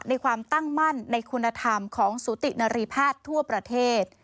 ในความตั้งมั่นในคุณธรรมของสุตินรีแพทย์ทั่วประเทศ